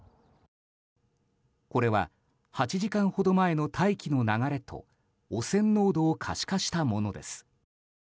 これは８時間ほど前の大気の流れと汚染濃度を可視化したものです。